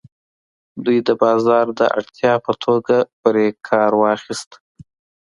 دوی د بازار د اړتیا په توګه پرې کار واخیست.